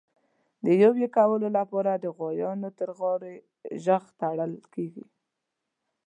د یویې کولو لپاره د غوایانو تر غاړي ژغ تړل کېږي.